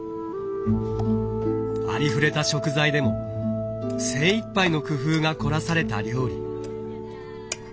ありふれた食材でも精いっぱいの工夫が凝らされた料理。